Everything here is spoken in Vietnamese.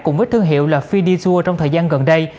cùng với thương hiệu là fidysua trong thời gian gần đây